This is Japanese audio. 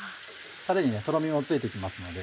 タレにとろみもついて来ますので。